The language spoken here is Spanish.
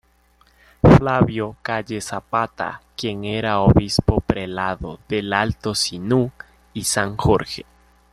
Flavio Calle Zapata, quien era Obispo-Prelado del Alto Sinú y San Jorge.